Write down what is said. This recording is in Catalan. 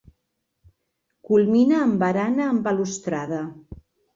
Culmina amb barana amb balustrada.